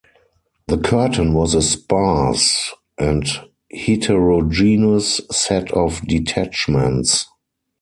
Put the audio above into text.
The curtain was a sparse and heterogeneous set of detachments.